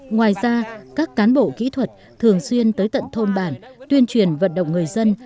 ngoài ra các cán bộ kỹ thuật thường xuyên tới tận thôn bản tuyên truyền vận động người dân